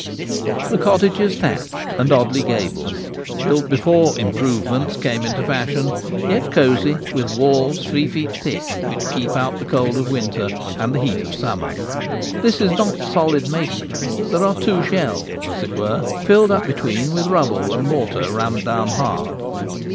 The cottage is thatched and oddly gabled — built before * improvements ' came into fashion — yet cosy ; with walls three feet thick, which keep out the cold of winter and the heat of summer. This is not solid masonry ; there are two shells, as it were, filled up be tween with rubble and mortar rammed down hard.